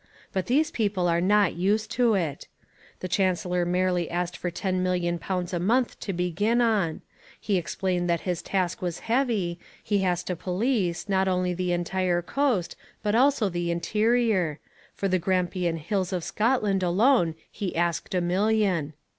But these people are not used to it. The Chancellor merely asked for ten million pounds a month to begin on; he explained that his task was heavy; he has to police, not only the entire coast, but also the interior; for the Grampian Hills of Scotland alone he asked a million.